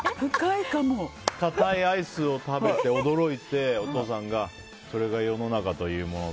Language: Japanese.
かたいアイスを食べて驚いてお父さんがそれが世の中というものだ。